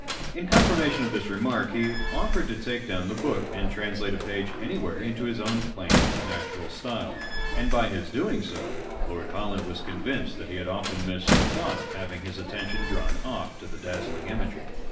In confirmation of this remark, he offered to take down the book, and translate a page anywhere into his own plain, natural style ; and by his doing so, Lord Holland was convinced that he had often missed the thought from having his attention drawn off to the dazzling imagery.